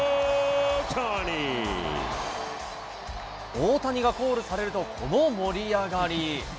大谷がコールされると、この盛り上がり。